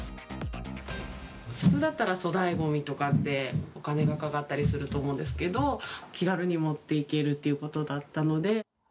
普通だったら粗大ごみとかでお金がかかったりすると思うんですけど、気軽に持っていけるということだったので。